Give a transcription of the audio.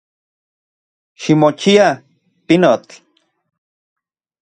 Ximochia, pinotl.